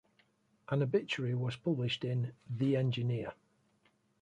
An obituary was published in "The Engineer".